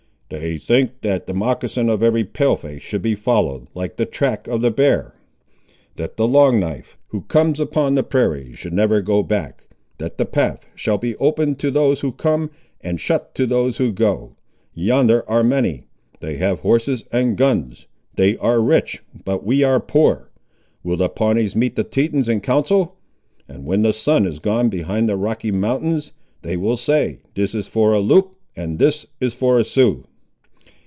"They think that the moccasin of every Pale face should be followed, like the track of the bear. That the Long knife, who comes upon the prairie, should never go back. That the path shall be open to those who come, and shut to those who go. Yonder are many. They have horses and guns. They are rich, but we are poor. Will the Pawnees meet the Tetons in council? and when the sun is gone behind the Rocky Mountains, they will say, This is for a Loup and this for a Sioux."